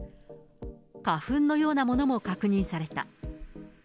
花粉のようなものも確認された。